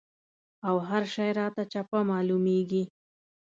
او هر شی راته چپه معلومېږي.